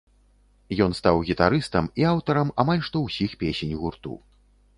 Ён стаў гітарыстам і аўтарам амаль што ўсіх песень гурту.